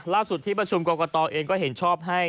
ที่ประชุมกรกตเองก็เห็นชอบให้